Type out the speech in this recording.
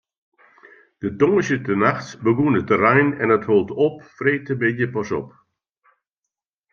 De tongersdeitenachts begûn it te reinen en dat hold op freedtemiddei pas op.